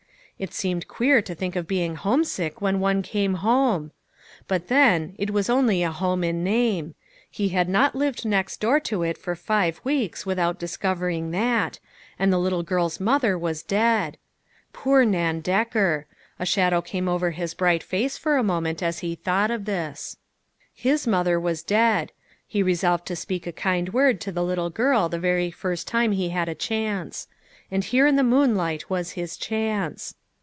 It seemed queer to think of being homesick when one came home ! But then, it was only a home in name ; he had not lived next door to it for five weeks without discovering that, and the little girl's mother was dead ! Poor Nan Decker! A shadow came over his bright face for a moment as he thought of this. JERRY ON ONE OF HIS SUMMER RAMBLES. NEW FRIENDS. 79 His mother was dead. He resolved to speak a kind word to the little girl the very first time that he had a chance. And here in the moon light was his chance.